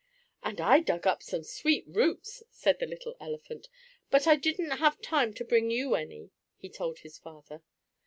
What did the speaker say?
"And I dug up some sweet roots," said the little elephant, "but I didn't have time to bring you any," he told his father.